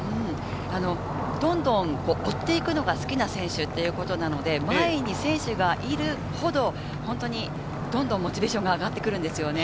どんどん追っていくのが好きな選手ということなので、前に選手がいるほど、どんどんモチベーションが上がってくるんですよね。